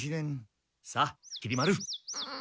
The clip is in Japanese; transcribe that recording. さあきり丸。